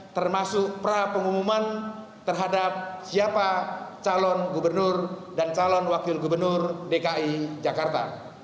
termasuk pra pengumuman terhadap siapa calon gubernur dan calon wakil gubernur dki jakarta